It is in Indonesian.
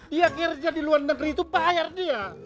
dia kerja di luar negeri itu bayar dia